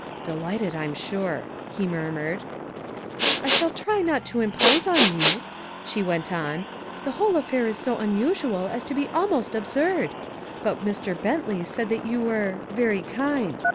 "Delighted, I'm sure," he murmured. "I shall try not to impose on you," she went on. "The whole affair is so unusual as to be almost absurd. But Mr. Bentley said that you were very kind.